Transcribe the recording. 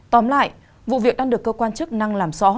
tóm lại vụ việc đang được cơ quan chức năng